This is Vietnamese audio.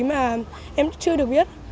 mà em chưa được biết